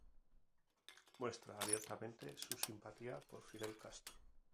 Muestra abiertamente su simpatía por Fidel Castro.